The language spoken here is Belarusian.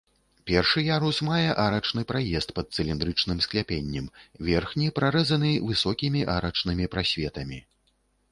Першы ярус мае арачны праезд пад цыліндрычным скляпеннем, верхні прарэзаны высокімі арачнымі прасветамі.